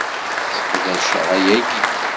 Seqdaceɣ ayagi.